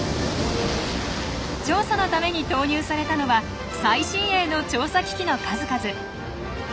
調査のために投入されたのは最新鋭の調査機器の数々。